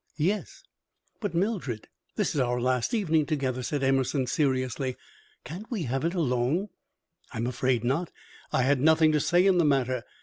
"Yes." "But, Mildred, this is our last evening together," said Emerson, seriously. "Can't we have it alone?" "I am afraid not. I had nothing to say in the matter.